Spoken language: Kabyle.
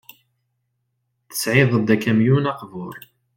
Tesɣiḍ-d akamyun aqbur.